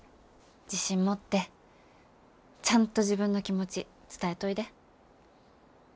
自信持ってちゃんと自分の気持ち伝えといで。